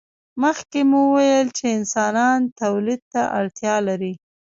مخکې مو وویل چې انسانان تولید ته اړتیا لري.